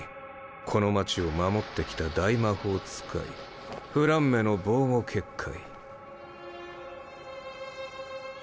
この街を守ってきた大魔法使いフランメの防護結界。